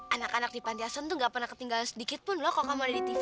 anak anak di pantiasuan tuh gak pernah ketinggalan sedikitpun loh kalo kamu ada di tv